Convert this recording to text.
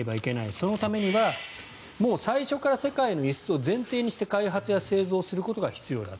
そのためには、もう最初から世界への輸出を前提にして開発や製造をすることが必要だと。